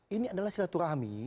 ini adalah silaturahmi